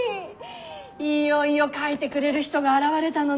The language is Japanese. いよいよ書いてくれる人が現れたのね